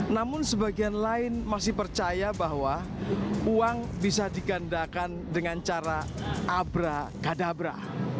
namun sebagian lain masih percaya bahwa uang bisa digandakan dengan cara abra gadabra